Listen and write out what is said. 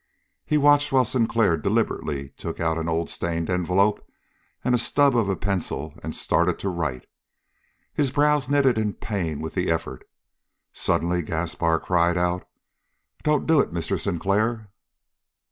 He watched while Sinclair deliberately took out an old stained envelope and the stub of a pencil and started to write. His brows knitted in pain with the effort. Suddenly Gaspar cried: "Don't do it, Mr. Sinclair!"